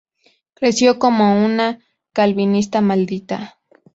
Creció como una "calvinista maldita".